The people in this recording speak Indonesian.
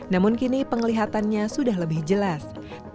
namun kini penglihatannya sudah lebih jelas